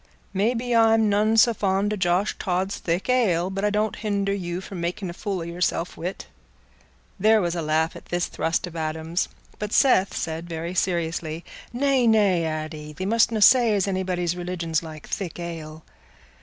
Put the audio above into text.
"Maybe; I'm none so fond o' Josh Tod's thick ale, but I don't hinder you from making a fool o' yourself wi't." There was a laugh at this thrust of Adam's, but Seth said, very seriously. "Nay, nay, Addy, thee mustna say as anybody's religion's like thick ale.